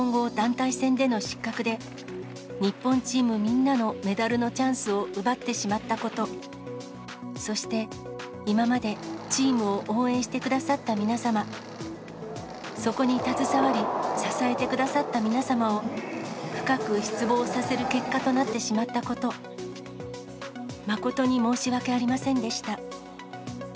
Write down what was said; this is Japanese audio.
今回、私の男女混合団体戦での失格で、日本チームみんなのメダルのチャンスを奪ってしまったこと、そして今までチームを応援してくださった皆様、そこに携わり支えてくださった皆様を、深く失望させる結果となってしまったこと、誠に申し訳ありませんでした。